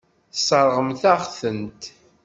Tesseṛɣemt-aɣ-tent.